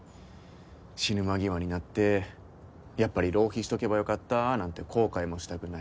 死ぬ間際になってやっぱり浪費しとけばよかったなんて後悔もしたくない。